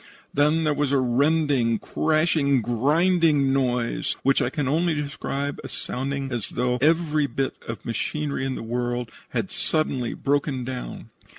Then there was a rending, crashing, grinding noise, which I can only describe as sounding as though every bit of machinery in the world had suddenly broken down.